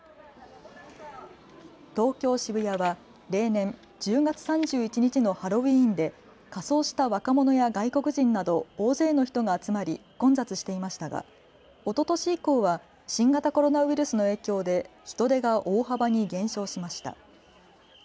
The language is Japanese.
東京渋谷は例年、１０月３１日のハロウィーンで仮装した若者や外国人など大勢の人が集まり混雑していましたがおととし以降は新型コロナウイルスの影響で人出が大幅に減少しました。